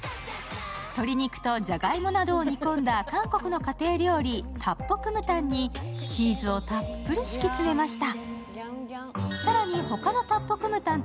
鶏肉とじゃがいもなどを煮込んだ韓国の家庭料理タッポクムタンにチーズをたっぷり敷き詰めました。